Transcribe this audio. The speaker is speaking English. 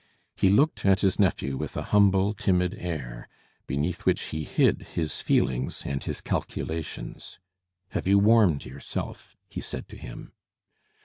He looked at his nephew with a humble, timid air, beneath which he hid his feelings and his calculations. "Have you warmed yourself?" he said to him.